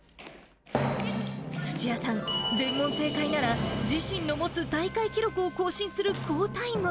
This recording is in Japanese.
土屋さん、全問正解なら、自身の持つ大会記録を更新する好タイム。